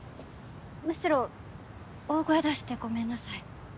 むしろ大声出してごめんなさい。